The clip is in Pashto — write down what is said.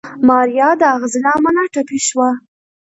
ماريا د اغزي له امله ټپي شوه.